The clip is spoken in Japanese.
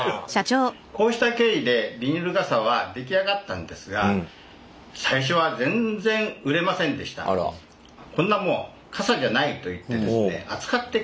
こうした経緯でビニール傘は出来上がったんですが最初は「こんなもん傘じゃない」といってですね扱ってくださらなかったんですね。